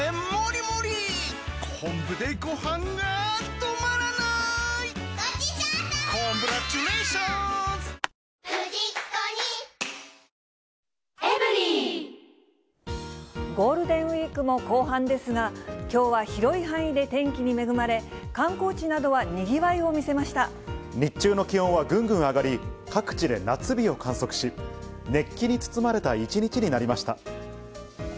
三井アウトレットパーク三井不動産グループゴールデンウィークも後半ですが、きょうは広い範囲で天気に恵まれ、観光地などはにぎわいを見せまし日中の気温はぐんぐん上がり、各地で夏日を観測し、熱気に包まれた一日になりました。